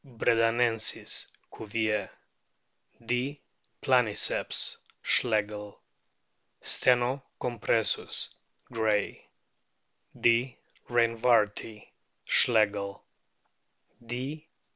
bredanensis, Cuvier ; D. planiceps, Schlegel ; Steno compressus, Gray ; D. reinwardti, Schlegel ; D.